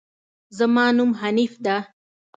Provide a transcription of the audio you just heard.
زما نوم حنيف ده